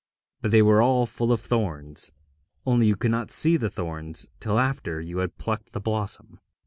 But they were all full of thorns, only you could not see the thorns till after you had plucked the blossom.